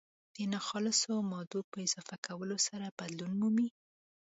د ناخالصو مادو په اضافه کولو سره بدلون مومي.